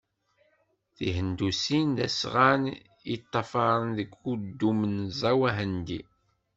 Tihendusit d asɣan i ṭṭafaren deg udu-menẓaw ahendi.